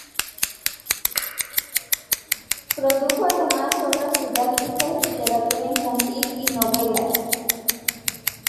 Produjo además obras didácticas, literatura infantil, y novelas.